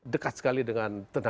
dekat sekali dengan tenaga